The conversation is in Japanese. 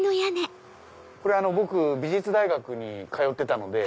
僕美術大学に通ってたので。